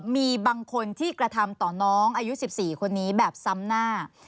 มีบางคนที่กระทำต่อน้องอายุ๑๔คนนี้แบบซ้ำหน้า